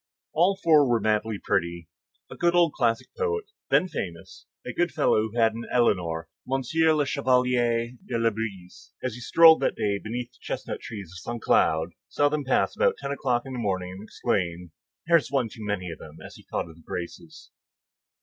_ All four were madly pretty. A good old classic poet, then famous, a good fellow who had an Éléonore, M. le Chevalier de Labouisse, as he strolled that day beneath the chestnut trees of Saint Cloud, saw them pass about ten o'clock in the morning, and exclaimed, "There is one too many of them," as he thought of the Graces.